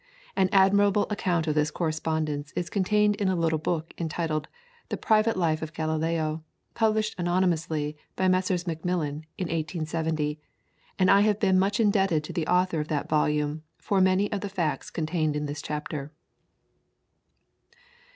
An admirable account of this correspondence is contained in a little book entitled "The Private Life of Galileo," published anonymously by Messrs. Macmillan in 1870, and I have been much indebted to the author of that volume for many of the facts contained in this chapter.